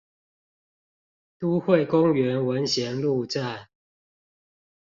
都會公園文賢路站